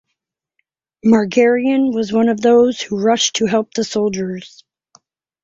Margaryan was one of those who rushed to help the soldiers.